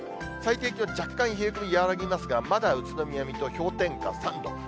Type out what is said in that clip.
最低気温、若干、冷え込み和らぎますが、まだ宇都宮、水戸、氷点下３度。